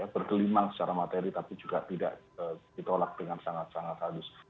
bergelimang secara materi tapi juga tidak ditolak dengan sangat sangat halus